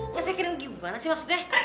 nge second gimana sih maksudnya